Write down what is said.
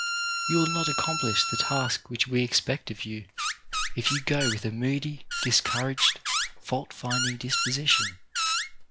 You will not accomplish the task which we expect of you if you go with a moody, discouraged, fault finding disposition.